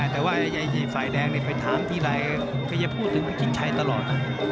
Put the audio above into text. แต่ว่าไฟแดงไปถามที่ไหนก็อย่าพูดถึงวิจิตรชัยตลอด